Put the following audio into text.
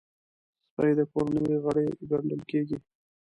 سپي د کورنۍ غړی ګڼل کېږي.